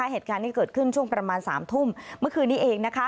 เหตุการณ์ที่เกิดขึ้นช่วงประมาณ๓ทุ่มเมื่อคืนนี้เอง